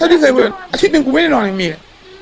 อาทิตย์นึงกูไม่ได้นอนยังมีเลย